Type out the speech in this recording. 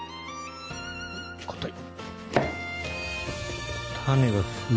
硬い。